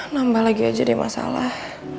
nambah lagi aja deh masalah